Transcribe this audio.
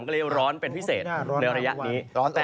ก็เลยร้อนเป็นพิเศษในระยะนี้